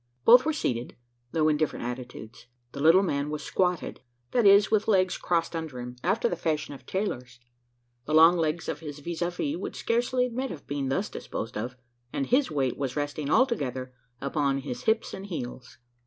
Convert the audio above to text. Both were seated, though in different attitudes. The little man was "squatted" that is, with legs crossed under him, after the fashion of tailors. The long legs of his vis a vis would scarcely admit of being thus disposed of; and his weight was resting altogether upon his hips and heels.